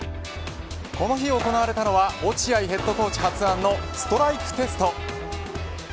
この日行われたのは落合ヘッドコーチ発案のストライクテスト。